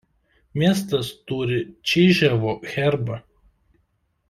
Miestas turi Čiževo herbą.